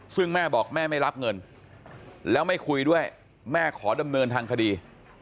ซึ่งแม่บอกแม่ไม่รับเงินแล้วไม่คุยด้วยแม่ขอดำเนินทางคดี